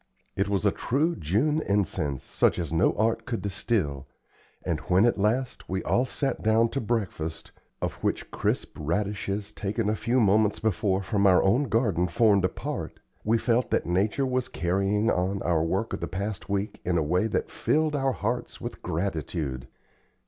It was a true June incense, such as no art could distil, and when, at last, we all sat down to breakfast, of which crisp radishes taken a few moments before from our own garden formed a part, we felt that nature was carrying on our work of the past week in a way that filled our hearts with gratitude.